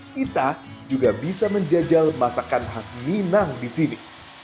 kita juga bisa menjajal masakan khas minang di sini